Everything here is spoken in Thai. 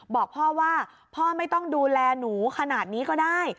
บอกพ่อว่าพ่อไม่ต้องดูแลหนูขนาดนี้ก็ได้